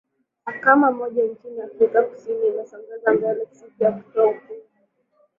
akama moja nchini afrika kusini imesongeza mbele siku ya kutoa hukumu